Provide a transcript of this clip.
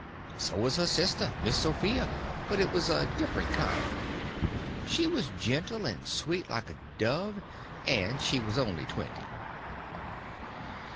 So was her sister, Miss Sophia, but it was a different kind. She was gentle and sweet like a dove, and she was only twenty.